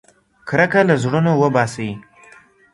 کرکه له زړونو وباسئ.